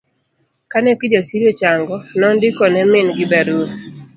Kane Kijasiri ochang'o, nondiko ne min gi barua